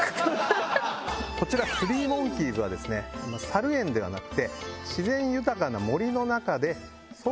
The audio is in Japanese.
こちらスリーモンキーズはですねサル園ではなくて自然豊かな。